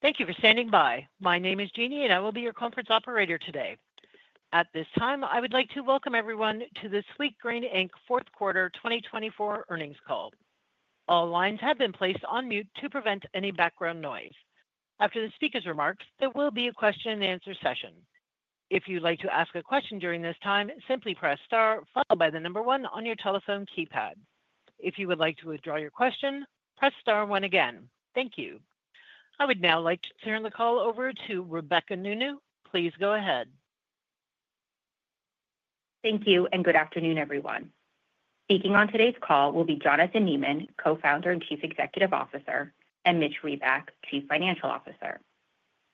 Thank you for standing by. My name is Jeannie, and I will be your conference operator today. At this time, I would like to welcome everyone to the Sweetgreen, Inc. Fourth Quarter 2024 earnings call. All lines have been placed on mute to prevent any background noise. After the speaker's remarks, there will be a question-and-answer session. If you'd like to ask a question during this time, simply press star, followed by the number one on your telephone keypad. If you would like to withdraw your question, press star one again. Thank you. I would now like to turn the call over to Rebecca Nounou. Please go ahead. Thank you, and good afternoon, everyone. Speaking on today's call will be Jonathan Neman, Co-founder and Chief Executive Officer, and Mitch Reback, Chief Financial Officer.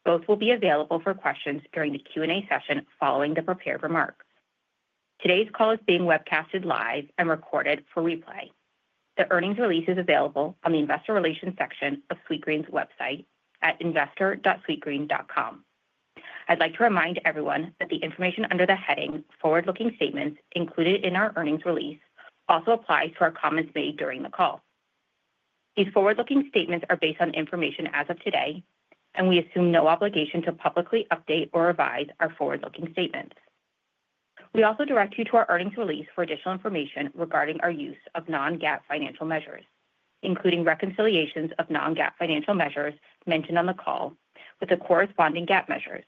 Both will be available for questions during the Q&A session following the prepared remarks. Today's call is being webcasted live and recorded for replay. The earnings release is available on the Investor Relations section of Sweetgreen's website at investor.sweetgreen.com. I'd like to remind everyone that the information under the heading "Forward-looking Statements" included in our earnings release also applies to our comments made during the call. These forward-looking statements are based on information as of today, and we assume no obligation to publicly update or revise our forward-looking statements. We also direct you to our earnings release for additional information regarding our use of non-GAAP financial measures, including reconciliations of non-GAAP financial measures mentioned on the call with the corresponding GAAP measures.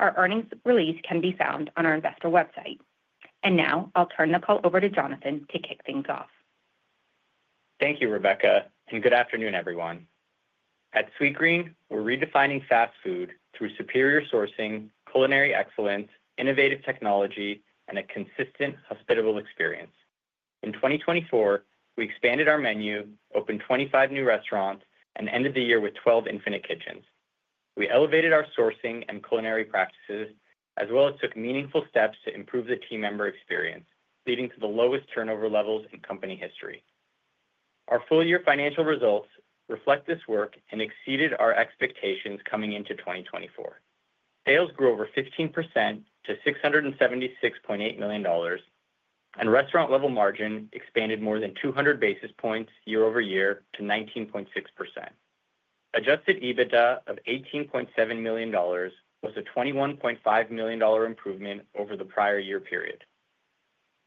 Our earnings release can be found on our investor website. And now, I'll turn the call over to Jonathan to kick things off. Thank you, Rebecca, and good afternoon, everyone. At Sweetgreen, we're redefining fast food through superior sourcing, culinary excellence, innovative technology, and a consistent hospitable experience. In 2024, we expanded our menu, opened 25 new restaurants, and ended the year with 12 Infinite Kitchens. We elevated our sourcing and culinary practices, as well as took meaningful steps to improve the team member experience, leading to the lowest turnover levels in company history. Our full-year financial results reflect this work and exceeded our expectations coming into 2024. Sales grew over 15% to $676.8 million, and restaurant-level margin expanded more than 200 basis points year-over-year to 19.6%. Adjusted EBITDA of $18.7 million was a $21.5 million improvement over the prior year period.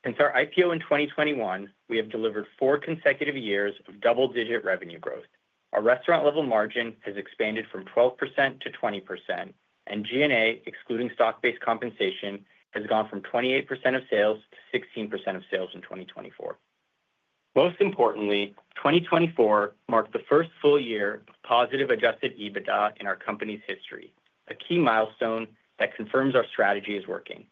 Since our IPO in 2021, we have delivered four consecutive years of double-digit revenue growth. Our restaurant-level margin has expanded from 12% to 20%, and G&A, excluding stock-based compensation, has gone from 28% of sales to 16% of sales in 2024. Most importantly, 2024 marked the first full year of positive Adjusted EBITDA in our company's history, a key milestone that confirms our strategy is working.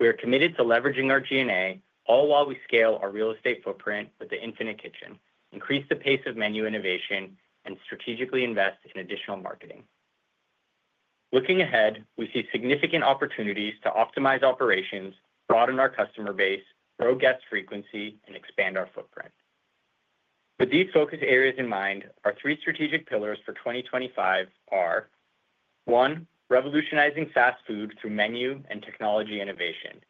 We are committed to leveraging our G&A, all while we scale our real estate footprint with the Infinite Kitchen, increase the pace of menu innovation, and strategically invest in additional marketing. Looking ahead, we see significant opportunities to optimize operations, broaden our customer base, grow guest frequency, and expand our footprint. With these focus areas in mind, our three strategic pillars for 2025 are: one, revolutionizing fast food through menu and technology innovation;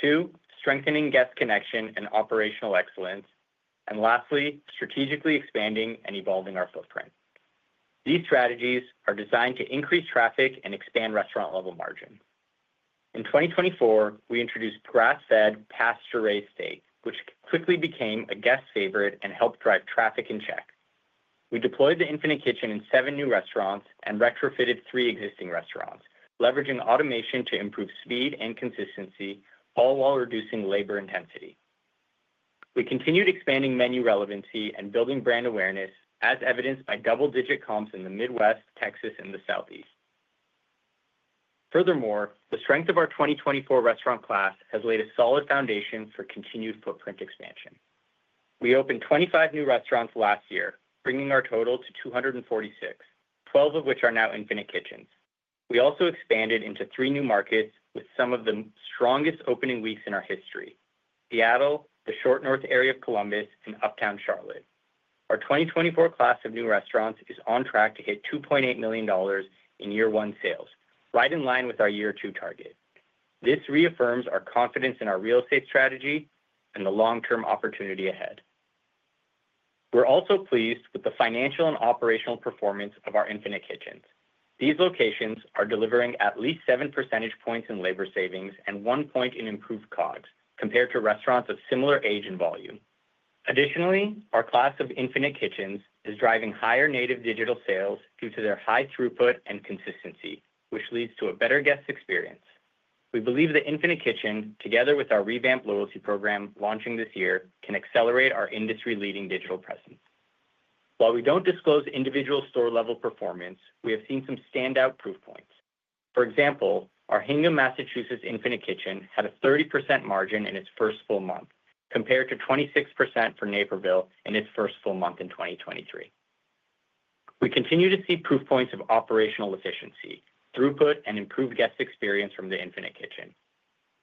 two, strengthening guest connection and operational excellence; and lastly, strategically expanding and evolving our footprint. These strategies are designed to increase traffic and expand restaurant-level margin. In 2024, we introduced grass-fed pasture-raised steak, which quickly became a guest favorite and helped drive traffic and check. We deployed the Infinite Kitchen in seven new restaurants and retrofitted three existing restaurants, leveraging automation to improve speed and consistency, all while reducing labor intensity. We continued expanding menu relevancy and building brand awareness, as evidenced by double-digit comps in the Midwest, Texas, and the Southeast. Furthermore, the strength of our 2024 restaurant class has laid a solid foundation for continued footprint expansion. We opened 25 new restaurants last year, bringing our total to 246, 12 of which are now Infinite Kitchens. We also expanded into three new markets with some of the strongest opening weeks in our history: Seattle, the Short North area of Columbus, and Uptown Charlotte. Our 2024 class of new restaurants is on track to hit $2.8 million in year-one sales, right in line with our year-two target. This reaffirms our confidence in our real estate strategy and the long-term opportunity ahead. We're also pleased with the financial and operational performance of our Infinite Kitchens. These locations are delivering at least 7 percentage points in labor savings and 1 point in improved COGS compared to restaurants of similar age and volume. Additionally, our class of Infinite Kitchens is driving higher native digital sales due to their high throughput and consistency, which leads to a better guest experience. We believe the Infinite Kitchen, together with our revamped loyalty program launching this year, can accelerate our industry-leading digital presence. While we don't disclose individual store-level performance, we have seen some standout proof points. For example, our Hingham, Massachusetts, Infinite Kitchen had a 30% margin in its first full month, compared to 26% for Naperville in its first full month in 2023. We continue to see proof points of operational efficiency, throughput, and improved guest experience from the Infinite Kitchen.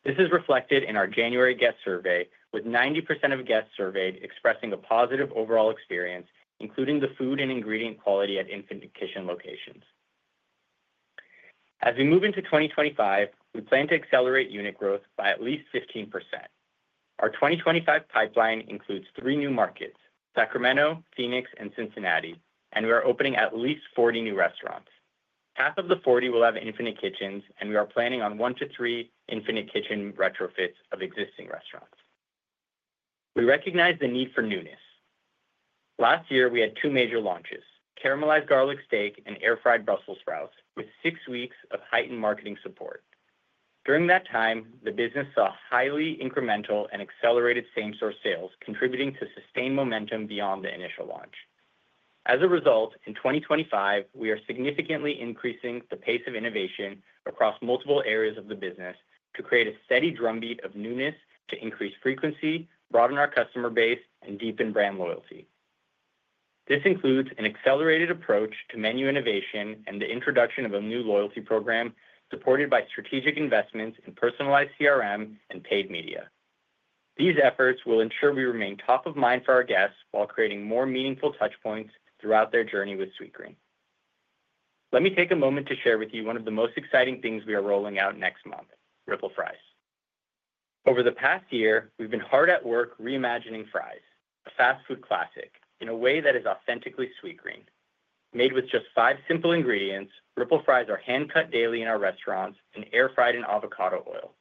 This is reflected in our January guest survey, with 90% of guests surveyed expressing a positive overall experience, including the food and ingredient quality at Infinite Kitchen locations. As we move into 2025, we plan to accelerate unit growth by at least 15%. Our 2025 pipeline includes three new markets: Sacramento, Phoenix, and Cincinnati, and we are opening at least 40 new restaurants. Half of the 40 will have Infinite Kitchens, and we are planning on one to three Infinite Kitchen retrofits of existing restaurants. We recognize the need for newness. Last year, we had two major launches: Caramelized Garlic Steak and Air-fried Brussels sprouts, with six weeks of heightened marketing support. During that time, the business saw highly incremental and accelerated same-store sales, contributing to sustained momentum beyond the initial launch. As a result, in 2025, we are significantly increasing the pace of innovation across multiple areas of the business to create a steady drumbeat of newness, to increase frequency, broaden our customer base, and deepen brand loyalty. This includes an accelerated approach to menu innovation and the introduction of a new loyalty program supported by strategic investments in personalized CRM and paid media. These efforts will ensure we remain top of mind for our guests while creating more meaningful touchpoints throughout their journey with Sweetgreen. Let me take a moment to share with you one of the most exciting things we are rolling out next month: Ripple Fries. Over the past year, we've been hard at work reimagining fries, a fast food classic, in a way that is authentically Sweetgreen. Made with just five simple ingredients, Ripple Fries are hand-cut daily in our restaurants and air-fried in avocado oil.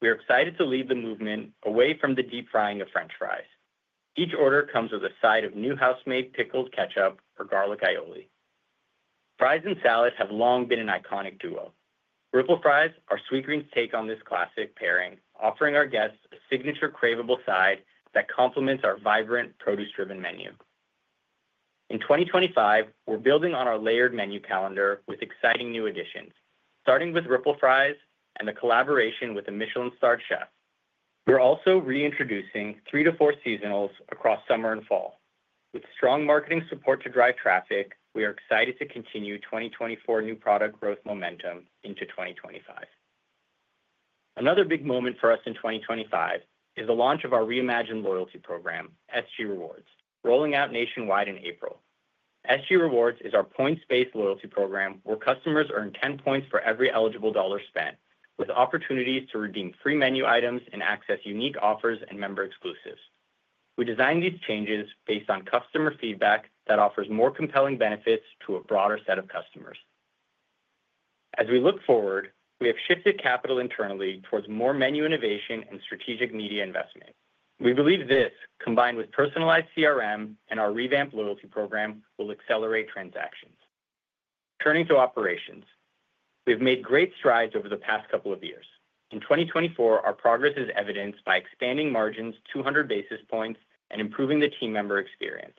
We are excited to lead the movement away from the deep frying of French fries. Each order comes with a side of new housemade pickled ketchup or garlic aioli. Fries and salad have long been an iconic duo. Ripple Fries are Sweetgreen's take on this classic pairing, offering our guests a signature craveable side that complements our vibrant, produce-driven menu. In 2025, we're building on our layered menu calendar with exciting new additions, starting with Ripple Fries and the collaboration with a Michelin-starred chef. We're also reintroducing three to four seasonals across summer and fall. With strong marketing support to drive traffic, we are excited to continue 2024 new product growth momentum into 2025. Another big moment for us in 2025 is the launch of our reimagined loyalty program, SG Rewards, rolling out nationwide in April. SG Rewards is our points-based loyalty program where customers earn 10 points for every eligible dollar spent, with opportunities to redeem free menu items and access unique offers and member exclusives. We designed these changes based on customer feedback that offers more compelling benefits to a broader set of customers. As we look forward, we have shifted capital internally towards more menu innovation and strategic media investment. We believe this, combined with personalized CRM and our revamped loyalty program, will accelerate transactions. Turning to operations, we have made great strides over the past couple of years. In 2024, our progress is evidenced by expanding margins 200 basis points and improving the team member experience.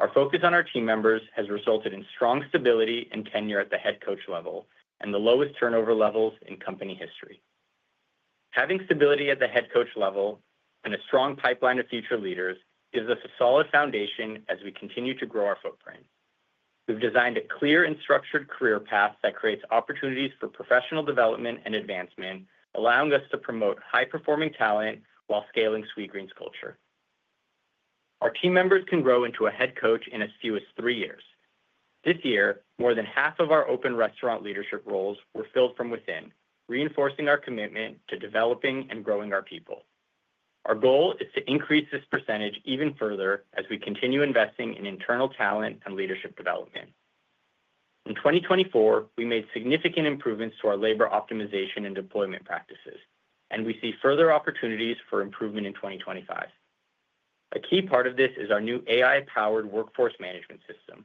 Our focus on our team members has resulted in strong stability and tenure at the Head Coach level and the lowest turnover levels in company history. Having stability at the Head Coach level and a strong pipeline of future leaders gives us a solid foundation as we continue to grow our footprint. We've designed a clear and structured career path that creates opportunities for professional development and advancement, allowing us to promote high-performing talent while scaling Sweetgreen's culture. Our team members can grow into a Head Coach in as few as three years. This year, more than half of our open restaurant leadership roles were filled from within, reinforcing our commitment to developing and growing our people. Our goal is to increase this percentage even further as we continue investing in internal talent and leadership development. In 2024, we made significant improvements to our labor optimization and deployment practices, and we see further opportunities for improvement in 2025. A key part of this is our new AI-powered workforce management system,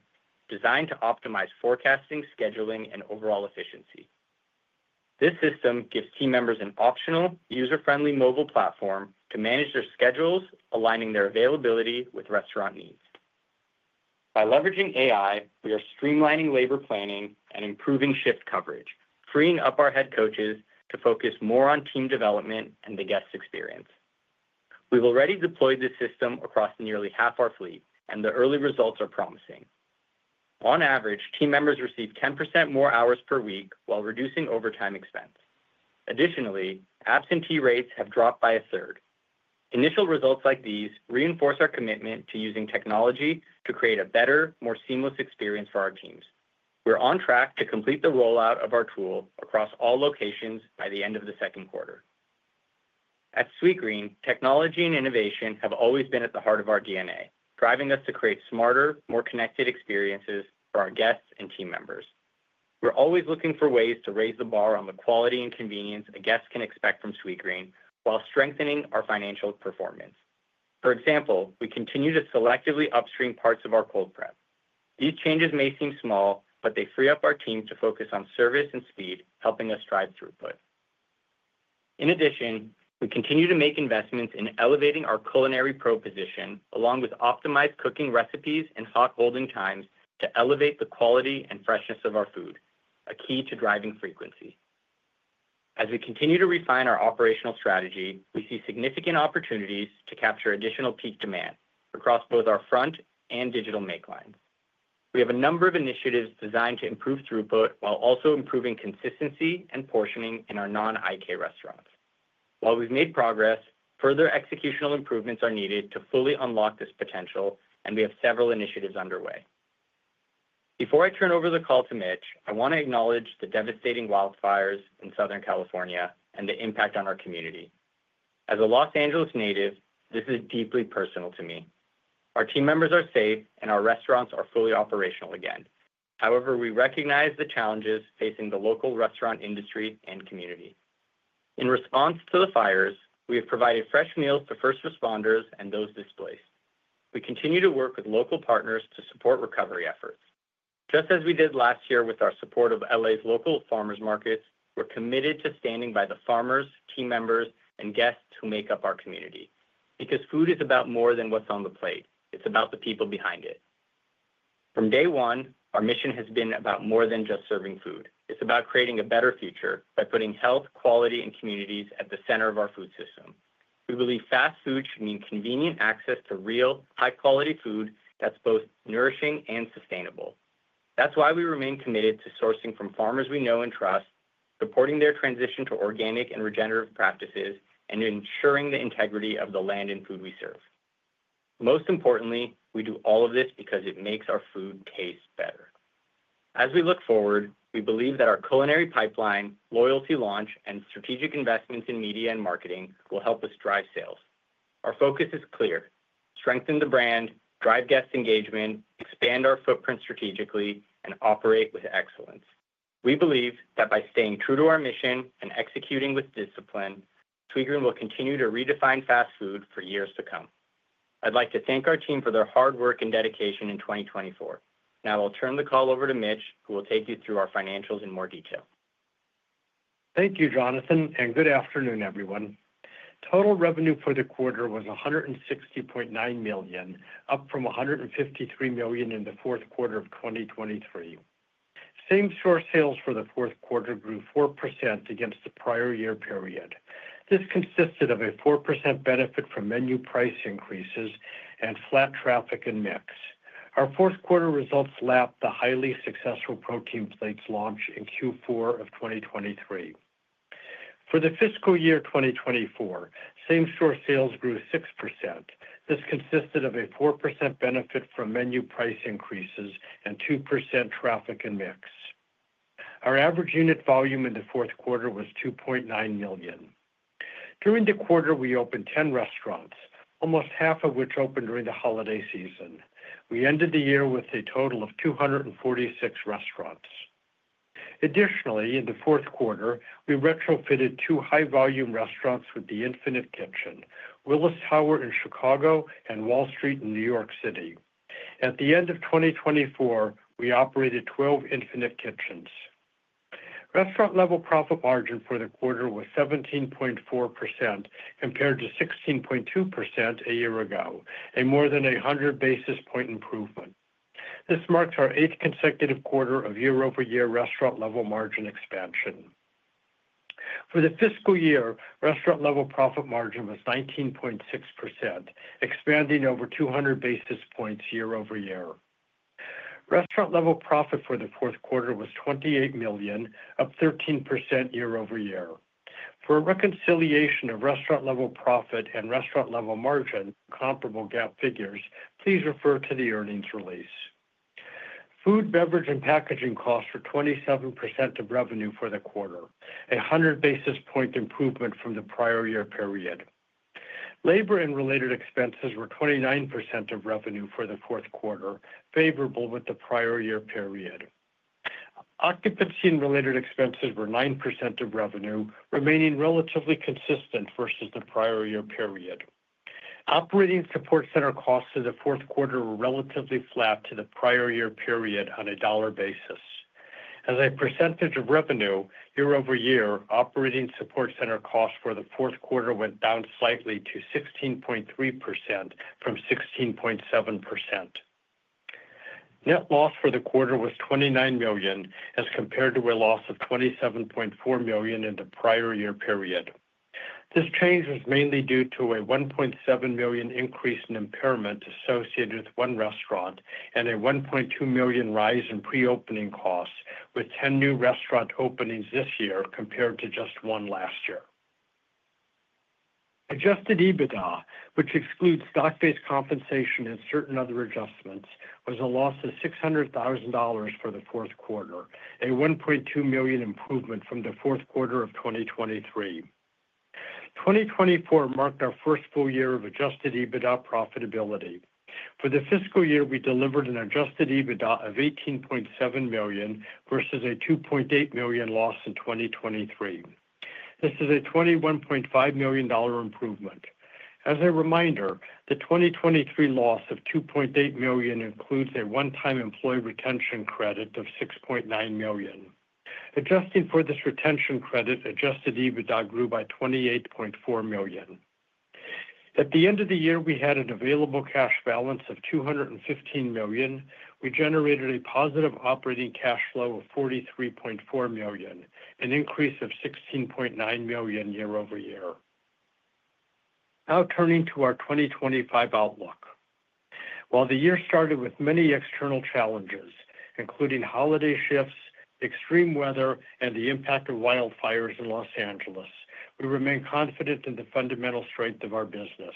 designed to optimize forecasting, scheduling, and overall efficiency. This system gives team members an optional, user-friendly mobile platform to manage their schedules, aligning their availability with restaurant needs. By leveraging AI, we are streamlining labor planning and improving shift coverage, freeing up our head coaches to focus more on team development and the guest experience. We've already deployed this system across nearly half our fleet, and the early results are promising. On average, team members receive 10% more hours per week while reducing overtime expense. Additionally, absentee rates have dropped by a third. Initial results like these reinforce our commitment to using technology to create a better, more seamless experience for our teams. We're on track to complete the rollout of our tool across all locations by the end of the second quarter. At Sweetgreen, technology and innovation have always been at the heart of our DNA, driving us to create smarter, more connected experiences for our guests and team members. We're always looking for ways to raise the bar on the quality and convenience a guest can expect from Sweetgreen while strengthening our financial performance. For example, we continue to selectively upstream parts of our cold prep. These changes may seem small, but they free up our team to focus on service and speed, helping us drive throughput. In addition, we continue to make investments in elevating our culinary proposition, along with optimized cooking recipes and hot holding times to elevate the quality and freshness of our food, a key to driving frequency. As we continue to refine our operational strategy, we see significant opportunities to capture additional peak demand across both our front and digital makelines. We have a number of initiatives designed to improve throughput while also improving consistency and portioning in our non-IK restaurants. While we've made progress, further executional improvements are needed to fully unlock this potential, and we have several initiatives underway. Before I turn over the call to Mitch, I want to acknowledge the devastating wildfires in Southern California and the impact on our community. As a Los Angeles native, this is deeply personal to me. Our team members are safe, and our restaurants are fully operational again. However, we recognize the challenges facing the local restaurant industry and community. In response to the fires, we have provided fresh meals to first responders and those displaced. We continue to work with local partners to support recovery efforts. Just as we did last year with our support of L.A.'s local farmers markets, we're committed to standing by the farmers, team members, and guests who make up our community. Because food is about more than what's on the plate. It's about the people behind it. From day one, our mission has been about more than just serving food. It's about creating a better future by putting health, quality, and communities at the center of our food system. We believe fast food should mean convenient access to real, high-quality food that's both nourishing and sustainable. That's why we remain committed to sourcing from farmers we know and trust, supporting their transition to organic and regenerative practices, and ensuring the integrity of the land and food we serve. Most importantly, we do all of this because it makes our food taste better. As we look forward, we believe that our culinary pipeline, loyalty launch, and strategic investments in media and marketing will help us drive sales. Our focus is clear: strengthen the brand, drive guest engagement, expand our footprint strategically, and operate with excellence. We believe that by staying true to our mission and executing with discipline, Sweetgreen will continue to redefine fast food for years to come. I'd like to thank our team for their hard work and dedication in 2024. Now I'll turn the call over to Mitch, who will take you through our financials in more detail. Thank you, Jonathan, and good afternoon, everyone. Total revenue for the quarter was $160.9 million, up from $153 million in the fourth quarter of 2023. Same-store sales for the fourth quarter grew 4% against the prior year period. This consisted of a 4% benefit from menu price increases and flat traffic and mix. Our fourth quarter results lapped the highly successful Protein Plates launch in Q4 of 2023. For the fiscal year 2024, same-store sales grew 6%. This consisted of a 4% benefit from menu price increases and 2% traffic and mix. Our average unit volume in the fourth quarter was $2.9 million. During the quarter, we opened 10 restaurants, almost half of which opened during the holiday season. We ended the year with a total of 246 restaurants. Additionally, in the fourth quarter, we retrofitted two high-volume restaurants with the Infinite Kitchen: Willis Tower in Chicago and Wall Street in New York City. At the end of 2024, we operated 12 Infinite Kitchens. Restaurant-level profit margin for the quarter was 17.4% compared to 16.2% a year ago, a more than 100 basis points improvement. This marks our eighth consecutive quarter of year-over-year restaurant-level margin expansion. For the fiscal year, restaurant-level profit margin was 19.6%, expanding over 200 basis points year-over-year. Restaurant-level profit for the fourth quarter was $28 million, up 13% year-over-year. For a reconciliation of restaurant-level profit and restaurant-level margin, comparable GAAP figures, please refer to the earnings release. Food, beverage, and packaging costs were 27% of revenue for the quarter, a 100 basis points improvement from the prior year period. Labor and related expenses were 29% of revenue for the fourth quarter, favorable with the prior year period. Occupancy and related expenses were 9% of revenue, remaining relatively consistent versus the prior year period. Operating support center costs for the fourth quarter were relatively flat to the prior year period on a dollar basis. As a percentage of revenue, year-over-year, operating support center costs for the fourth quarter went down slightly to 16.3% from 16.7%. Net loss for the quarter was $29 million, as compared to a loss of $27.4 million in the prior year period. This change was mainly due to a $1.7 million increase in impairment associated with one restaurant and a $1.2 million rise in pre-opening costs, with 10 new restaurant openings this year compared to just one last year. Adjusted EBITDA, which excludes stock-based compensation and certain other adjustments, was a loss of $600,000 for the fourth quarter, a $1.2 million improvement from the fourth quarter of 2023. 2024 marked our first full year of Adjusted EBITDA profitability. For the fiscal year, we delivered an Adjusted EBITDA of $18.7 million versus a $2.8 million loss in 2023. This is a $21.5 million improvement. As a reminder, the 2023 loss of $2.8 million includes a one-time employee retention credit of $6.9 million. Adjusting for this retention credit, Adjusted EBITDA grew by $28.4 million. At the end of the year, we had an available cash balance of $215 million. We generated a positive operating cash flow of $43.4 million, an increase of $16.9 million year-over-year. Now turning to our 2025 outlook. While the year started with many external challenges, including holiday shifts, extreme weather, and the impact of wildfires in Los Angeles, we remain confident in the fundamental strength of our business.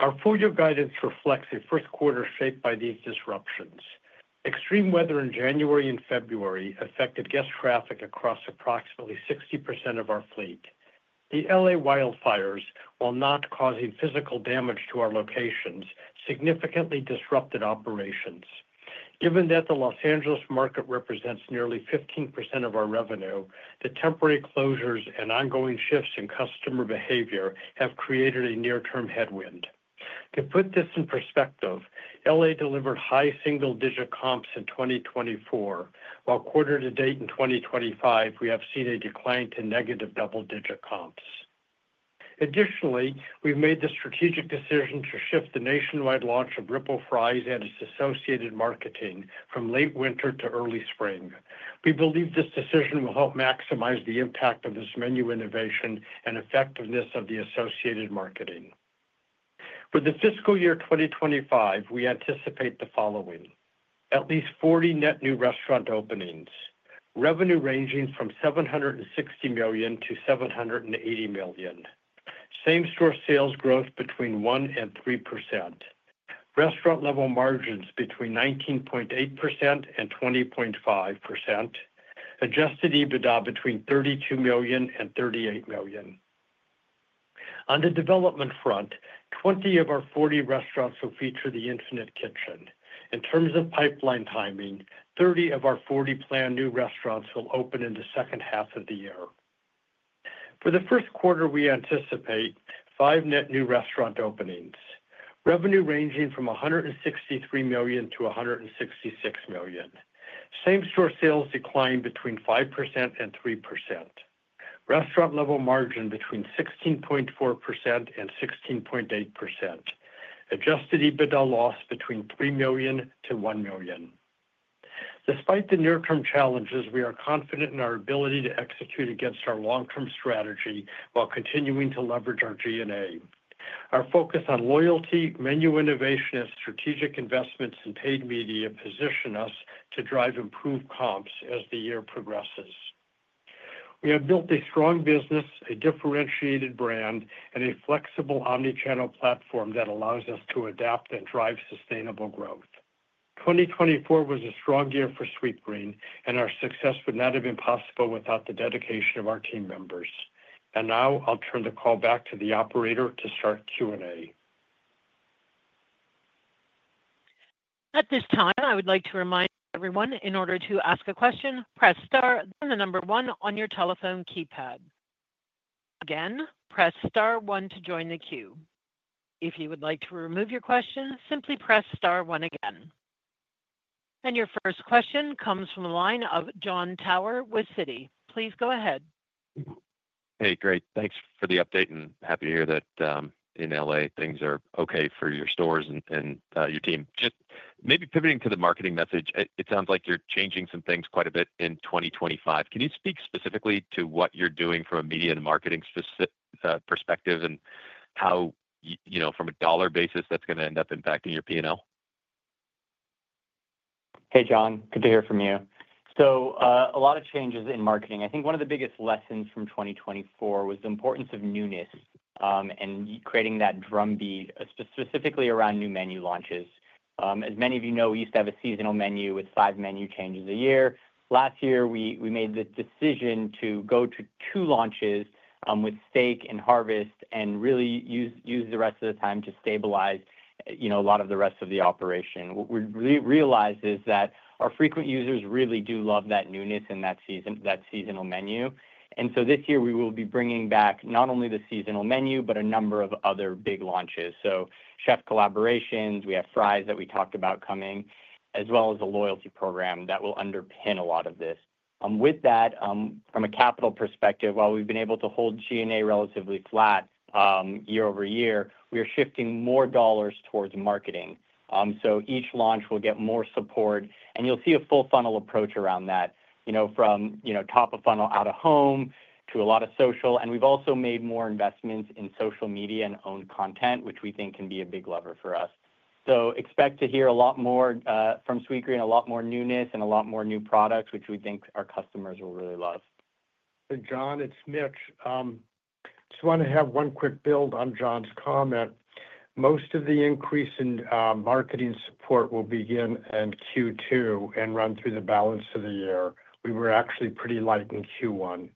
Our full-year guidance reflects a first quarter shaped by these disruptions. Extreme weather in January and February affected guest traffic across approximately 60% of our fleet. The L.A. wildfires, while not causing physical damage to our locations, significantly disrupted operations. Given that the Los Angeles market represents nearly 15% of our revenue, the temporary closures and ongoing shifts in customer behavior have created a near-term headwind. To put this in perspective, L.A. delivered high single-digit comps in 2024, while quarter-to-date in 2025, we have seen a decline to negative double-digit comps. Additionally, we've made the strategic decision to shift the nationwide launch of Ripple Fries and its associated marketing from late winter to early spring. We believe this decision will help maximize the impact of this menu innovation and effectiveness of the associated marketing. For the fiscal year 2025, we anticipate the following: at least 40 net new restaurant openings, revenue ranging from $760-$780 million, same-store sales growth between 1%-3%, restaurant-level margins between 19.8%-20.5%, Adjusted EBITDA between $32-$38 million. On the development front, 20 of our 40 restaurants will feature the Infinite Kitchen. In terms of pipeline timing, 30 of our 40 planned new restaurants will open in the second half of the year. For the first quarter, we anticipate five net new restaurant openings, revenue ranging from $163-$166 million. Same-store sales decline between 5%-3%. Restaurant-level margin between 16.4%-16.8%. Adjusted EBITDA loss between $3 million to $1 million. Despite the near-term challenges, we are confident in our ability to execute against our long-term strategy while continuing to leverage our DNA. Our focus on loyalty, menu innovation, and strategic investments in paid media positions us to drive improved comps as the year progresses. We have built a strong business, a differentiated brand, and a flexible omnichannel platform that allows us to adapt and drive sustainable growth. 2024 was a strong year for Sweetgreen, and our success would not have been possible without the dedication of our team members. And now I'll turn the call back to the operator to start Q&A. At this time, I would like to remind everyone, in order to ask a question, press Star, then the number one on your telephone keypad. Again, press Star one to join the queue. If you would like to remove your question, simply press Star one again. And your first question comes from the line of Jon Tower with Citi. Please go ahead. Hey, great. Thanks for the update, and happy to hear that in LA, things are okay for your stores and your team. Just maybe pivoting to the marketing message, it sounds like you're changing some things quite a bit in 2025. Can you speak specifically to what you're doing from a media and marketing perspective and how, from a dollar basis, that's going to end up impacting your P&L? Hey, Jon. Good to hear from you. So a lot of changes in marketing. I think one of the biggest lessons from 2024 was the importance of newness and creating that drumbeat, specifically around new menu launches. As many of you know, we used to have a seasonal menu with five menu changes a year. Last year, we made the decision to go to two launches with steak and harvest and really use the rest of the time to stabilize a lot of the rest of the operation. What we realized is that our frequent users really do love that newness and that seasonal menu, and so this year, we will be bringing back not only the seasonal menu, but a number of other big launches, so chef collaborations, we have fries that we talked about coming, as well as a loyalty program that will underpin a lot of this. With that, from a capital perspective, while we've been able to hold G&A relatively flat year over year, we are shifting more dollars towards marketing, so each launch will get more support, and you'll see a full funnel approach around that, from top of funnel out of home to a lot of social. And we've also made more investments in social media and owned content, which we think can be a big lever for us. So expect to hear a lot more from Sweetgreen, a lot more newness, and a lot more new products, which we think our customers will really love. Hey, John, it's Mitch. Just want to have one quick build on John's comment. Most of the increase in marketing support will begin in Q2 and run through the balance of the year. We were actually pretty light in Q1.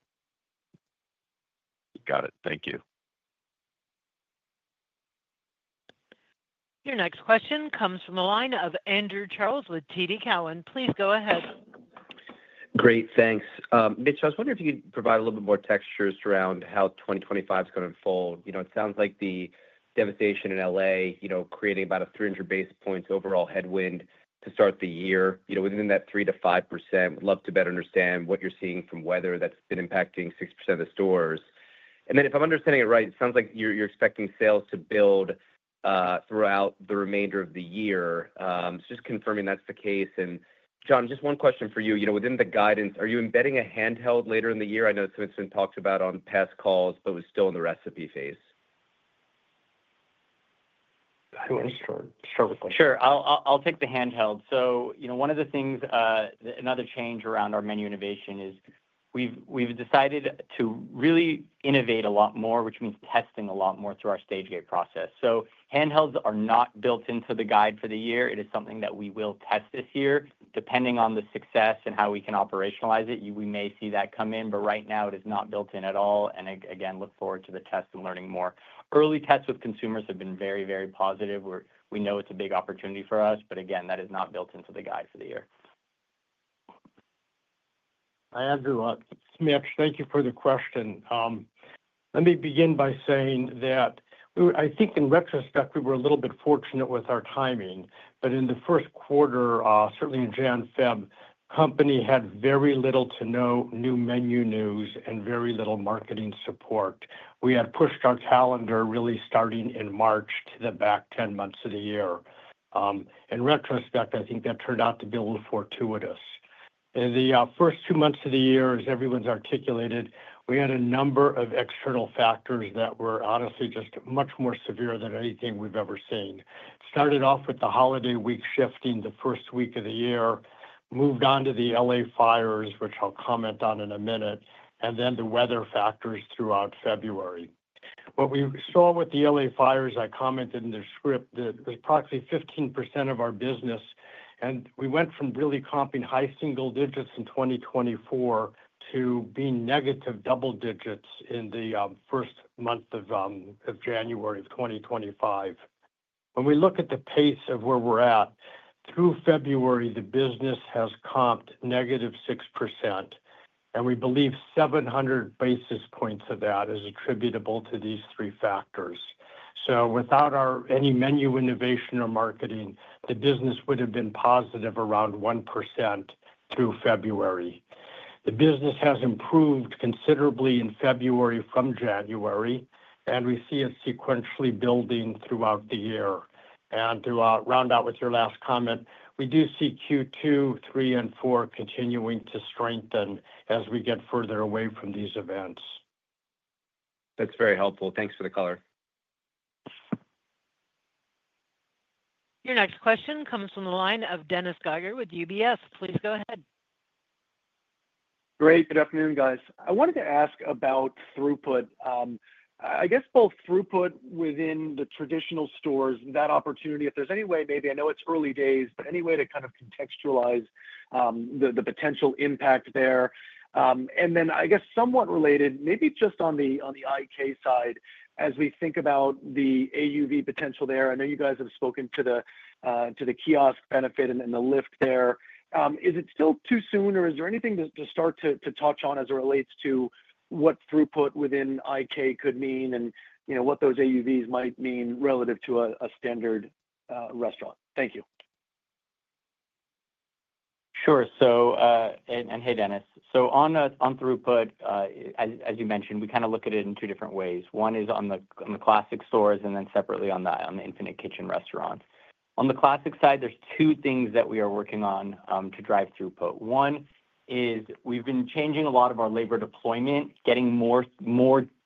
Got it. Thank you. Your next question comes from the line of Andrew Charles with TD Cowen. Please go ahead. Great. Thanks. Mitch, I was wondering if you could provide a little bit more texture surrounding how 2025 is going to unfold. It sounds like the devastation in LA creating about a 300 basis points overall headwind to start the year. Within that 3%-5%, we'd love to better understand what you're seeing from weather that's been impacting 6% of the stores, and then if I'm understanding it right, it sounds like you're expecting sales to build throughout the remainder of the year. Just confirming that's the case, and Jonathan, just one question for you. Within the guidance, are you embedding a handheld later in the year? I know some of it's been talked about on past calls, but it was still in the recipe phase. I'll start with that. Sure, I'll take the handheld, so one of the things, another change around our menu innovation is we've decided to really innovate a lot more, which means testing a lot more through our stage gate process, so handhelds are not built into the guide for the year. It is something that we will test this year. Depending on the success and how we can operationalize it, we may see that come in, but right now, it is not built in at all, and again, look forward to the test and learning more. Early tests with consumers have been very, very positive. We know it's a big opportunity for us, but again, that is not built into the guide for the year. I agree with that. Mitch, thank you for the question. Let me begin by saying that I think in retrospect, we were a little bit fortunate with our timing, but in the first quarter, certainly in January-February, the company had very little to no new menu news and very little marketing support. We had pushed our calendar really starting in March to the back 10 months of the year. In retrospect, I think that turned out to be a little fortuitous. In the first two months of the year, as everyone's articulated, we had a number of external factors that were honestly just much more severe than anything we've ever seen. Started off with the holiday week shifting the first week of the year, moved on to the L.A. fires, which I'll comment on in a minute, and then the weather factors throughout February. What we saw with the L.A. fires, I commented in the script, that it was approximately 15% of our business, and we went from really comping high single digits in 2024 to being negative double digits in the first month of January of 2025. When we look at the pace of where we're at, through February, the business has comped negative 6%. And we believe 700 basis points of that is attributable to these three factors. So without any menu innovation or marketing, the business would have been positive around 1% through February. The business has improved considerably in February from January, and we see it sequentially building throughout the year. And to round out with your last comment, we do see Q2, Q3, and Q4 continuing to strengthen as we get further away from these events. That's very helpful. Thanks for the color. Your next question comes from the line of Dennis Geiger with UBS. Please go ahead. Great. Good afternoon, guys. I wanted to ask about throughput. I guess both throughput within the traditional stores, that opportunity, if there's any way, maybe I know it's early days, but any way to kind of contextualize the potential impact there? And then I guess somewhat related, maybe just on the IK side, as we think about the AUV potential there, I know you guys have spoken to the kiosk benefit and the lift there. Is it still too soon, or is there anything to start to touch on as it relates to what throughput within IK could mean and what those AUVs might mean relative to a standard restaurant? Thank you. Sure. And hey, Dennis. So on throughput, as you mentioned, we kind of look at it in two different ways. One is on the classic stores and then separately on the Infinite Kitchen restaurants. On the classic side, there are two things that we are working on to drive throughput. One is we've been changing a lot of our labor deployment, getting more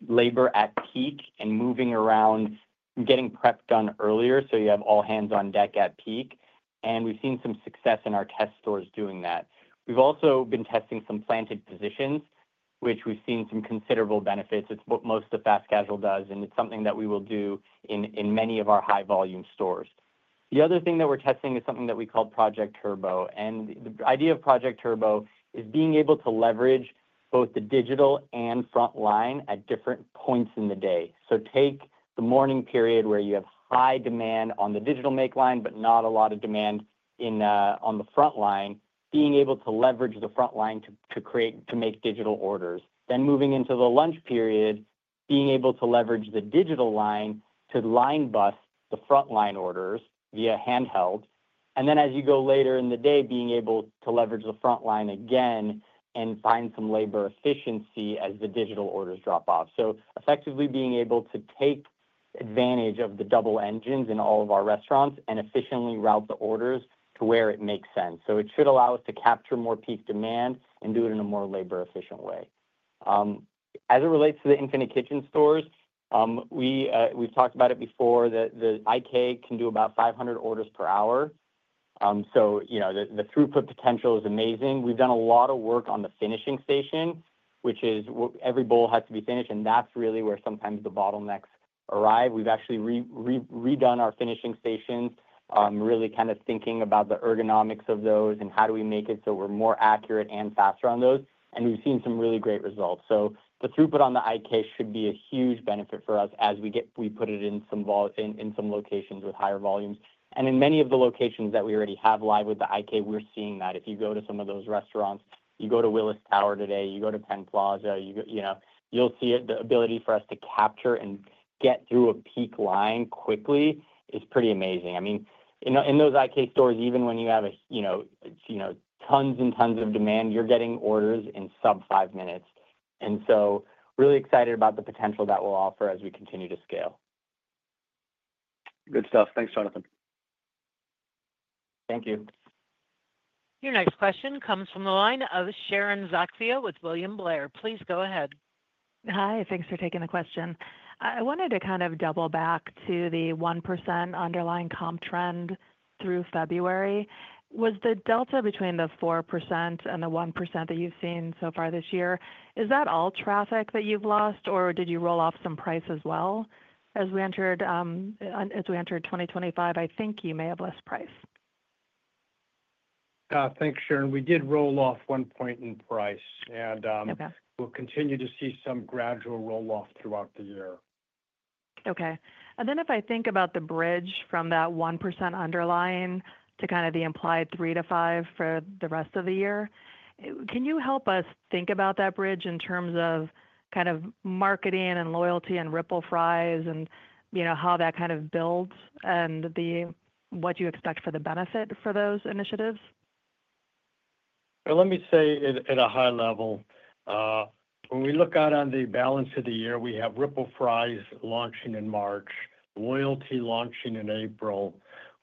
labor at peak and moving around, getting prep done earlier so you have all hands on deck at peak, and we've seen some success in our test stores doing that. We've also been testing some planted positions, which we've seen some considerable benefits. It's what most of the fast casual does, and it's something that we will do in many of our high-volume stores. The other thing that we're testing is something that we call Project Turbo, and the idea of Project Turbo is being able to leverage both the digital and front makeline at different points in the day, so take the morning period where you have high demand on the digital makeline, but not a lot of demand on the front makeline, being able to leverage the front makeline to make digital orders. Then moving into the lunch period, being able to leverage the digital line to handle the front line orders via handheld. And then as you go later in the day, being able to leverage the front line again and find some labor efficiency as the digital orders drop off. So effectively being able to take advantage of the double engines in all of our restaurants and efficiently route the orders to where it makes sense. So it should allow us to capture more peak demand and do it in a more labor-efficient way. As it relates to the Infinite Kitchen stores, we've talked about it before. The IK can do about 500 orders per hour. So the throughput potential is amazing. We've done a lot of work on the finishing station, which is every bowl has to be finished, and that's really where sometimes the bottlenecks arrive. We've actually redone our finishing stations, really kind of thinking about the ergonomics of those and how do we make it so we're more accurate and faster on those, and we've seen some really great results, so the throughput on the IK should be a huge benefit for us as we put it in some locations with higher volumes. And in many of the locations that we already have live with the IK, we're seeing that. If you go to some of those restaurants, you go to Willis Tower today, you go to Penn Plaza, you'll see the ability for us to capture and get through a peak line quickly is pretty amazing. I mean, in those IK stores, even when you have tons and tons of demand, you're getting orders in sub-five minutes, and so really excited about the potential that we'll offer as we continue to scale. Good stuff. Thanks, Jonathan. Thank you. Your next question comes from the line of Sharon Zackfia with William Blair. Please go ahead. Hi. Thanks for taking the question. I wanted to kind of double back to the 1% underlying comp trend through February. Was the delta between the 4% and the 1% that you've seen so far this year, is that all traffic that you've lost, or did you roll off some price as well as we entered 2025? I think you may have less price. Thanks, Sharon. We did roll off one point in price, and we'll continue to see some gradual roll-off throughout the year. Okay. And then if I think about the bridge from that 1% underlying to kind of the implied 3%-5% for the rest of the year, can you help us think about that bridge in terms of kind of marketing and loyalty and Ripple Fries and how that kind of builds and what you expect for the benefit for those initiatives? Let me say at a high level, when we look out on the balance of the year, we have Ripple Fries launching in March, loyalty launching in April.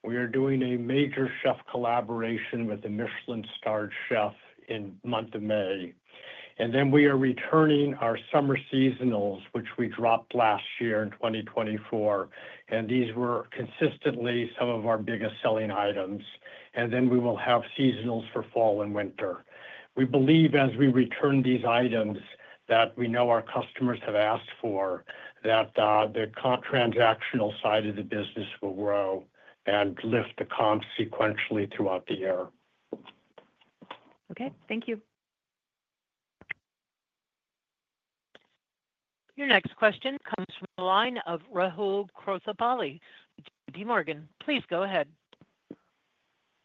We are doing a major chef collaboration with the Michelin-starred chef in the month of May. And then we are returning our summer seasonals, which we dropped last year in 2024. And these were consistently some of our biggest selling items. And then we will have seasonals for fall and winter. We believe as we return these items that we know our customers have asked for, that the transactional side of the business will grow and lift the comp sequentially throughout the year. Okay. Thank you. Your next question comes from the line of Rahul Krotthapalli with J.P. Morgan. Please go ahead.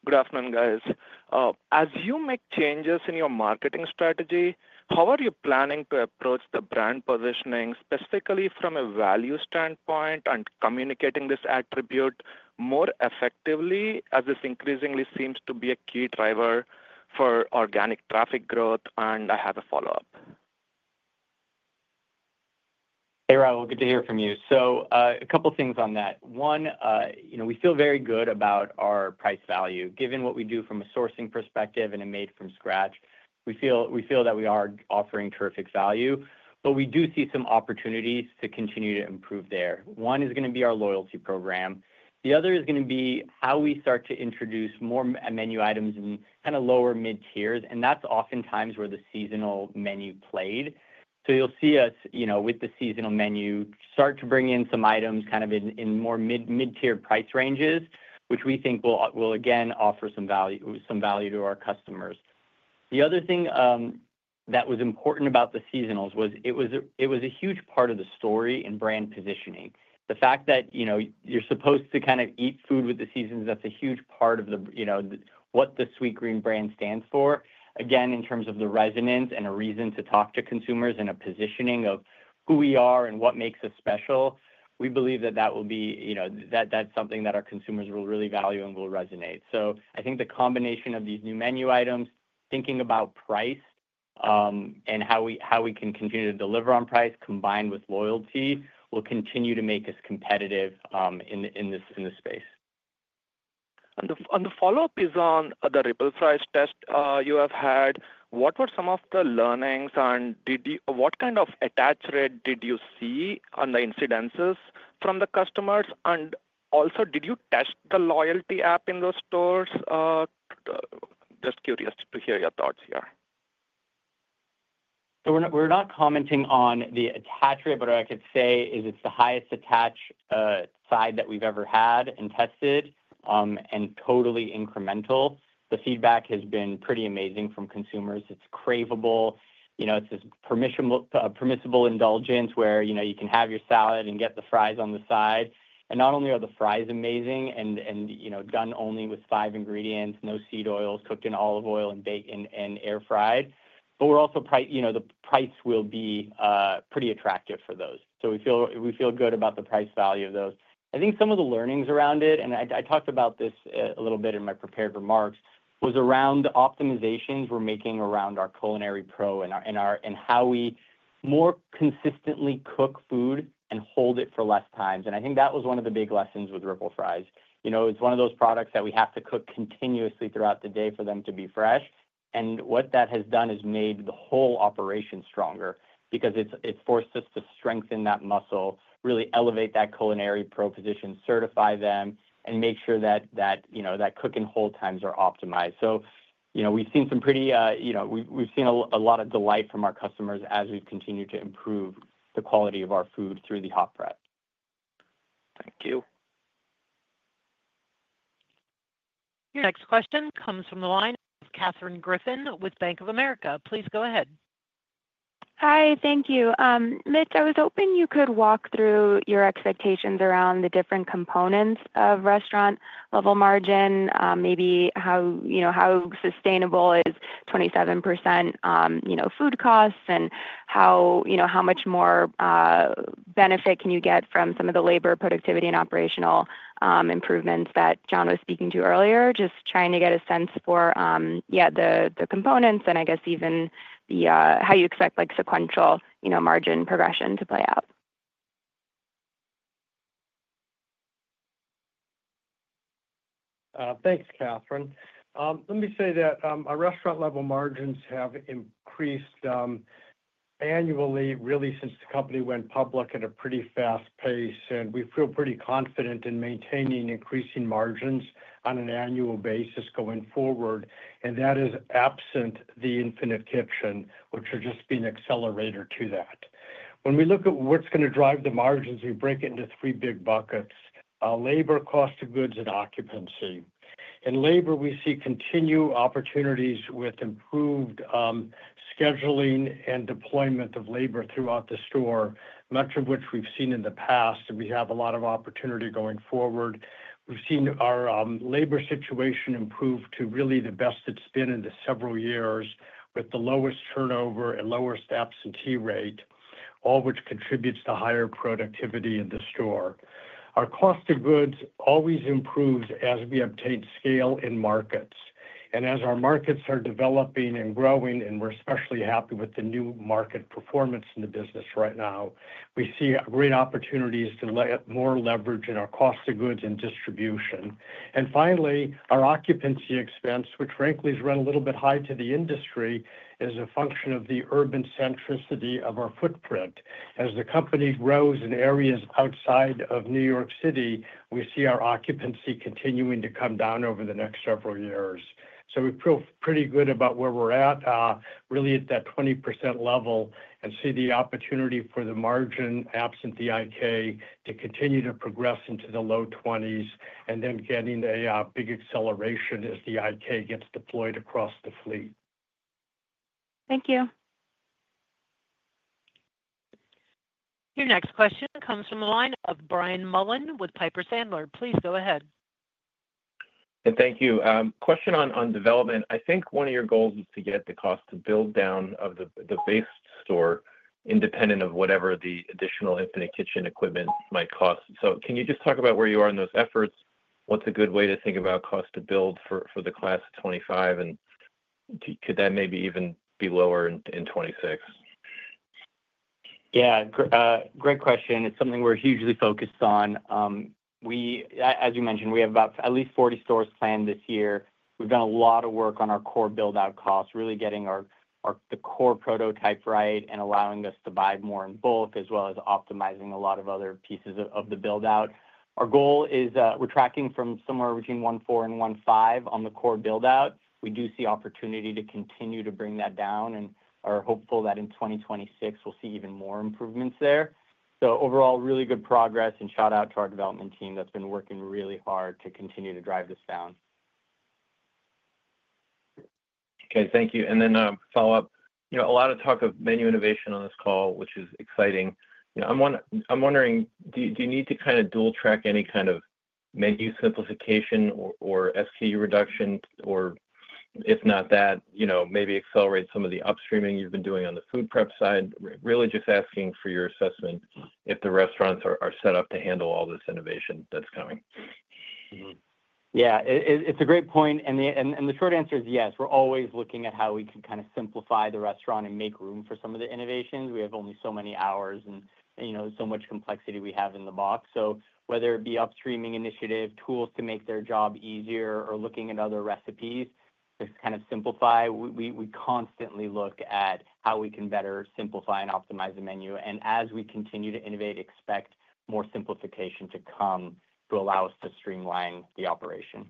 Good afternoon, guys. As you make changes in your marketing strategy, how are you planning to approach the brand positioning, specifically from a value standpoint and communicating this attribute more effectively as this increasingly seems to be a key driver for organic traffic growth? And I have a follow-up. Hey, Rahul. Good to hear from you. So a couple of things on that. One, we feel very good about our price value. Given what we do from a sourcing perspective and a made-from-scratch, we feel that we are offering terrific value. But we do see some opportunities to continue to improve there. One is going to be our loyalty program. The other is going to be how we start to introduce more menu items in kind of lower mid-tiers. And that's oftentimes where the seasonal menu played. So you'll see us with the seasonal menu start to bring in some items kind of in more mid-tier price ranges, which we think will, again, offer some value to our customers. The other thing that was important about the seasonals was it was a huge part of the story in brand positioning. The fact that you're supposed to kind of eat food with the seasons, that's a huge part of what the Sweetgreen brand stands for. Again, in terms of the resonance and a reason to talk to consumers and a positioning of who we are and what makes us special, we believe that that will be; that's something that our consumers will really value and will resonate. So I think the combination of these new menu items, thinking about price and how we can continue to deliver on price combined with loyalty will continue to make us competitive in this space. The follow-up is on the Ripple Fries test you have had. What were some of the learnings and what kind of attach rate did you see on the incidences from the customers? And also, did you test the loyalty app in those stores? Just curious to hear your thoughts here. We're not commenting on the attach rate, but what I could say is it's the highest attach side that we've ever had and tested and totally incremental. The feedback has been pretty amazing from consumers. It's craveable. It's this permissible indulgence where you can have your salad and get the fries on the side. And not only are the fries amazing and done only with five ingredients, no seed oils, cooked in olive oil and air-fried, but we're also the price will be pretty attractive for those. So we feel good about the price value of those. I think some of the learnings around it, and I talked about this a little bit in my prepared remarks, was around the optimizations we're making around our culinary pro and how we more consistently cook food and hold it for less time. I think that was one of the big lessons with Ripple Fries. It's one of those products that we have to cook continuously throughout the day for them to be fresh. And what that has done is made the whole operation stronger because it's forced us to strengthen that muscle, really elevate that culinary proposition, certify them, and make sure that that cook-and-hold times are optimized. So we've seen a lot of delight from our customers as we've continued to improve the quality of our food through the hot prep. Thank you. Your next question comes from the line of Katherine Griffin with Bank of America. Please go ahead. Hi. Thank you. Mitch, I was hoping you could walk through your expectations around the different components of restaurant-level margin, maybe how sustainable is 27% food costs, and how much more benefit can you get from some of the labor productivity and operational improvements that John was speaking to earlier, just trying to get a sense for, yeah, the components and I guess even how you expect sequential margin progression to play out. Thanks, Katherine. Let me say that our restaurant-level margins have increased annually, really, since the company went public at a pretty fast pace. And we feel pretty confident in maintaining increasing margins on an annual basis going forward. And that is absent the Infinite Kitchen, which would just be an accelerator to that. When we look at what's going to drive the margins, we break it into three big buckets: labor, cost of goods, and occupancy. In labor, we see continued opportunities with improved scheduling and deployment of labor throughout the store, much of which we've seen in the past. And we have a lot of opportunity going forward. We've seen our labor situation improve to really the best it's been in the several years with the lowest turnover and lowest absentee rate, all which contributes to higher productivity in the store. Our cost of goods always improves as we obtain scale in markets. And as our markets are developing and growing, and we're especially happy with the new market performance in the business right now, we see great opportunities to let more leverage in our cost of goods and distribution. And finally, our occupancy expense, which frankly is run a little bit high to the industry, is a function of the urban centricity of our footprint. As the company grows in areas outside of New York City, we see our occupancy continuing to come down over the next several years. So we feel pretty good about where we're at, really at that 20% level, and see the opportunity for the margin absent IK to continue to progress into the low 20s and then getting a big acceleration as the IK gets deployed across the fleet. Thank you. Your next question comes from the line of Brian Mullan with Piper Sandler. Please go ahead. Thank you. Question on development. I think one of your goals is to get the cost to build down of the base store independent of whatever the additional Infinite Kitchen equipment might cost. So can you just talk about where you are in those efforts? What's a good way to think about cost to build for the class of 2025? And could that maybe even be lower in 2026? Yeah. Great question. It's something we're hugely focused on. As you mentioned, we have at least 40 stores planned this year. We've done a lot of work on our core build-out cost, really getting the core prototype right and allowing us to buy more in bulk, as well as optimizing a lot of other pieces of the build-out. Our goal is we're tracking from somewhere between 1.4 and 1.5 on the core build-out. We do see opportunity to continue to bring that down and are hopeful that in 2026, we'll see even more improvements there. So overall, really good progress and shout-out to our development team that's been working really hard to continue to drive this down. Okay. Thank you. And then follow-up. A lot of talk of menu innovation on this call, which is exciting. I'm wondering, do you need to kind of dual-track any kind of menu simplification or SKU reduction? Or if not that, maybe accelerate some of the upstreaming you've been doing on the food prep side? Really just asking for your assessment if the restaurants are set up to handle all this innovation that's coming. Yeah. It's a great point. And the short answer is yes. We're always looking at how we can kind of simplify the restaurant and make room for some of the innovations. We have only so many hours and so much complexity we have in the box. So whether it be upstreaming initiative, tools to make their job easier, or looking at other recipes to kind of simplify, we constantly look at how we can better simplify and optimize the menu. And as we continue to innovate, expect more simplification to come to allow us to streamline the operation.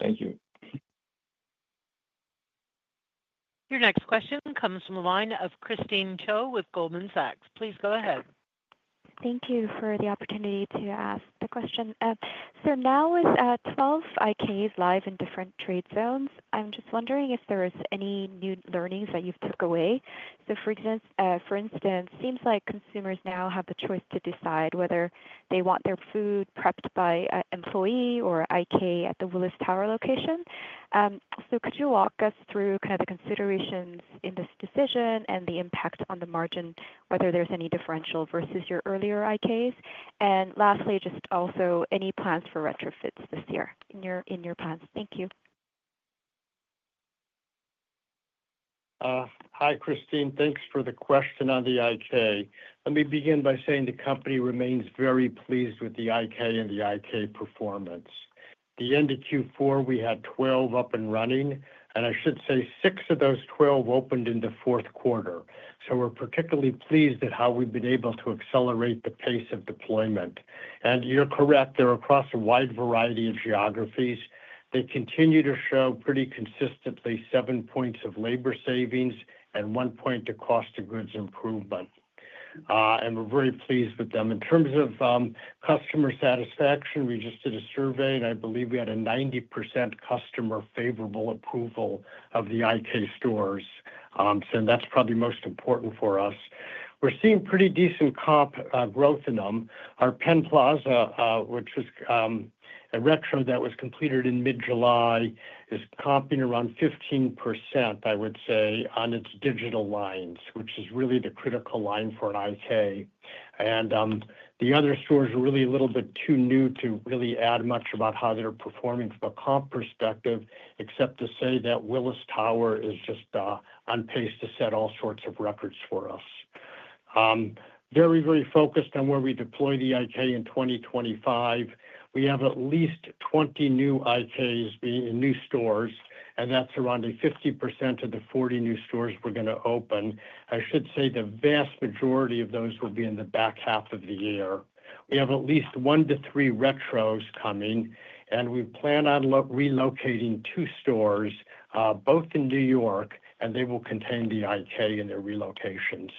Thank you. Your next question comes from the line of Christine Cho with Goldman Sachs. Please go ahead. Thank you for the opportunity to ask the question. So now with 12 IKs live in different trade zones, I'm just wondering if there are any new learnings that you've took away. So for instance, it seems like consumers now have the choice to decide whether they want their food prepped by an employee or IK at the Willis Tower location. So could you walk us through kind of the considerations in this decision and the impact on the margin, whether there's any differential versus your earlier IKs? And lastly, just also any plans for retrofits this year in your plans? Thank you. Hi, Christine. Thanks for the question on the IK. Let me begin by saying the company remains very pleased with the IK and the IK performance. At the end of Q4, we had 12 up and running, and I should say six of those 12 opened in the fourth quarter, so we're particularly pleased at how we've been able to accelerate the pace of deployment, and you're correct. They're across a wide variety of geographies. They continue to show pretty consistently seven points of labor savings and one point of cost of goods improvement, and we're very pleased with them. In terms of customer satisfaction, we just did a survey, and I believe we had a 90% customer favorable approval of the IK stores, so that's probably most important for us. We're seeing pretty decent comp growth in them. Our Penn Plaza, which was a retro that was completed in mid-July, is comping around 15%, I would say, on its digital lines, which is really the critical line for an IK. And the other stores are really a little bit too new to really add much about how they're performing from a comp perspective, except to say that Willis Tower is just on pace to set all sorts of records for us. Very, very focused on where we deploy the IK in 2025. We have at least 20 new IKs in new stores, and that's around 50% of the 40 new stores we're going to open. I should say the vast majority of those will be in the back half of the year. We have at least one to three retrofits coming, and we plan on relocating two stores, both in New York, and they will contain the IK in their relocations.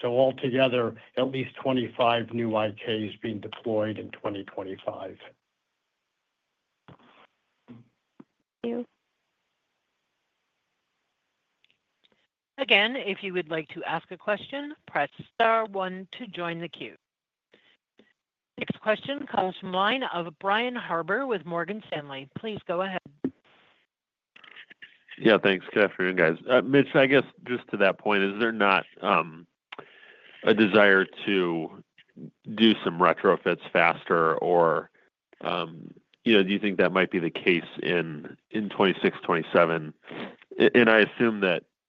So altogether, at least 25 new IKs being deployed in 2025. Thank you. Again, if you would like to ask a question, press star one to join the queue. Next question comes from the line of Brian Harbour with Morgan Stanley. Please go ahead. Yeah. Thanks. Good afternoon, guys. Mitch, I guess just to that point, is there not a desire to do some retrofits faster? Or do you think that might be the case in 2026, 2027? And I assume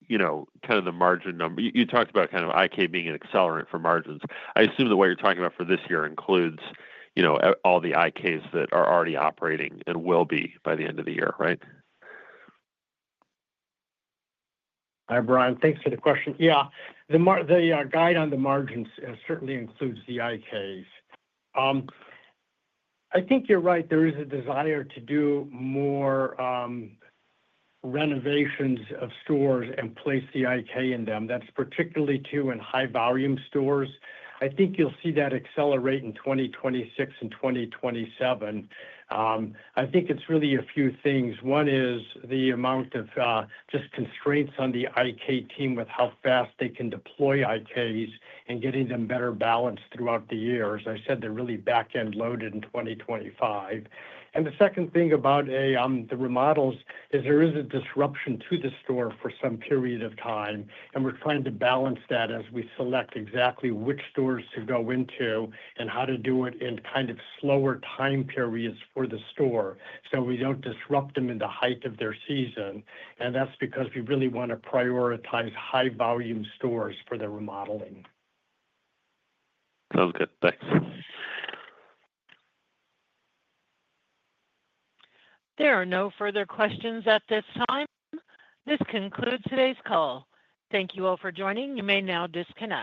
that kind of the margin number you talked about kind of IK being an accelerant for margins. I assume that what you're talking about for this year includes all the IKs that are already operating and will be by the end of the year, right? Hi, Brian. Thanks for the question. Yeah. The guide on the margins certainly includes the IKs. I think you're right. There is a desire to do more renovations of stores and place the IK in them. That's particularly true in high-volume stores. I think you'll see that accelerate in 2026 and 2027. I think it's really a few things. One is the amount of just constraints on the IK team with how fast they can deploy IKs and getting them better balanced throughout the year. As I said, they're really back-end loaded in 2025. And the second thing about the remodels is there is a disruption to the store for some period of time. And we're trying to balance that as we select exactly which stores to go into and how to do it in kind of slower time periods for the store so we don't disrupt them in the height of their season. And that's because we really want to prioritize high-volume stores for the remodeling. Sounds good. Thanks. There are no further questions at this time. This concludes today's call. Thank you all for joining. You may now disconnect.